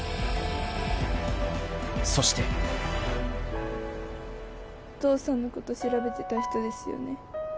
［そして］お父さんのこと調べてた人ですよね。